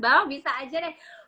baw bisa aja deh